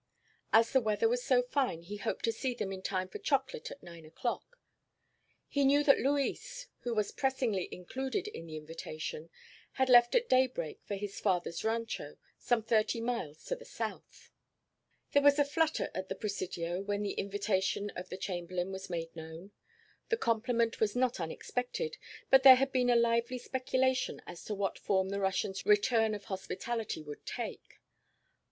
As the weather was so fine, he hoped to see them in time for chocolate at nine o'clock. He knew that Luis, who was pressingly included in the invitation, had left at daybreak for his father's rancho, some thirty miles to the south. There was a flutter at the Presidio when the invitation of the Chamberlain was made known. The compliment was not unexpected, but there had been a lively speculation as to what form the Russian's return of hospitality would take.